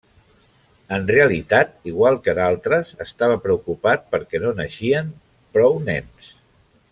En realitat, igual que d'altres, estava preocupat perquè no naixien prou nens.